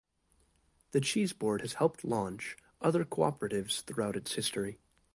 The Cheese Board has helped launch other cooperatives throughout its history.